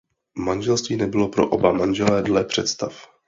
Manželství nebylo pro oba manželé dle představ.